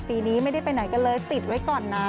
ปีนี้ไม่ได้ไปไหนกันเลยติดไว้ก่อนนะ